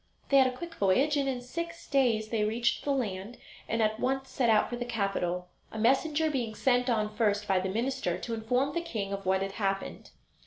They had a quick voyage, and in six days they reached the land, and at once set out for the capital, a messenger being sent on first by the minister to inform the king of what had happened.